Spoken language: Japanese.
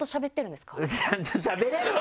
ちゃんとしゃべれるわ！